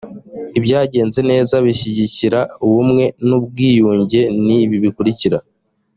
ibyagenze neza bishyigikira ubumwe n’ubwiyunge ni ibi bikurikira: